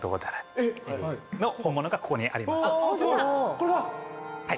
これだ！